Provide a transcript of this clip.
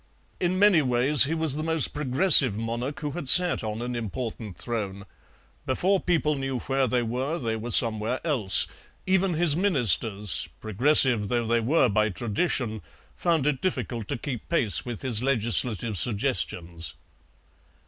In many ways he was the most progressive monarch who had sat on an important throne; before people knew where they were, they were somewhere else. Even his Ministers, progressive though they were by tradition, found it difficult to keep pace with his legislative suggestions.